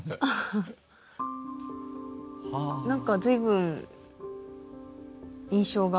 何か随分印象が。